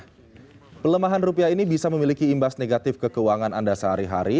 nah pelemahan rupiah ini bisa memiliki imbas negatif ke keuangan anda sehari hari